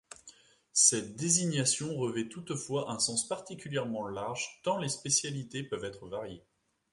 Cette désignation revêt toutefois un sens particulièrement large, tant les spécialités peuvent être variées.